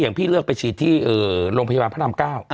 พี่เลือกไปฉีดที่โรงพยาบาลพระราม๙